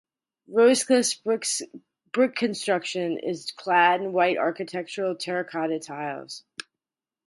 Rosecliff's brick construction is clad in white architectural terracotta tiles.